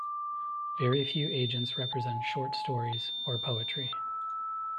Very few agents represent short stories or poetry.